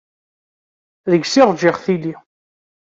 Deg-s i rǧiɣ tili.